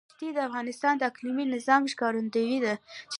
ښتې د افغانستان د اقلیمي نظام ښکارندوی ده.